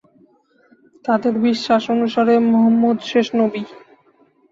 তাঁদের বিশ্বাস অনুসারে মুহাম্মদ শেষ নবী।